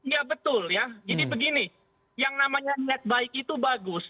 ya betul ya jadi begini yang namanya niat baik itu bagus